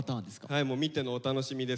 はいもう見てのお楽しみです。